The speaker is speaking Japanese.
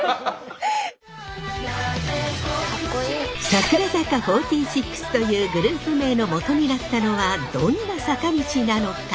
櫻坂４６というグループ名のもとになったのはどんな坂道なのか？